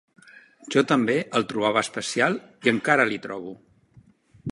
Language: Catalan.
Jo també el trobava especial, i encara l'hi trobo.